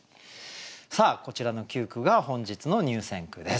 さあこちらの９句が本日の入選句です。